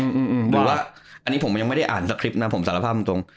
บอกว่าอันนี้ผมยังไม่ได้อ่านสคริปต์นะผมสารภาพตรง